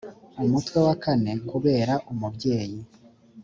umutwe wa kane kubera umubyeyi